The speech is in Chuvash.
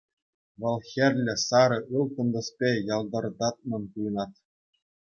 Вӑл хӗрлӗ, сарӑ, ылтӑн тӗспе ялтӑртатнӑн туйӑнать.